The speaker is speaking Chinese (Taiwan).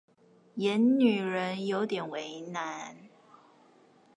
演女人有點為難